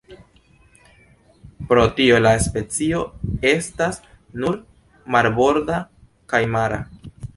Pro tio la specio estas nur marborda kaj mara.